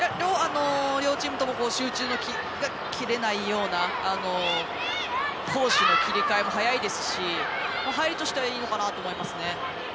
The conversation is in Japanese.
両チームとも集中力が切れないような攻守の切り替えも速いですし入りとしてはいいのかなと思いますね。